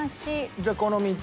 じゃあこの３つ？